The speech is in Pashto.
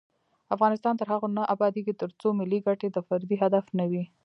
افغانستان تر هغو نه ابادیږي، ترڅو ملي ګټې د فردي هدف نه وي.